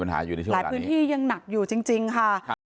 จริงค่ะ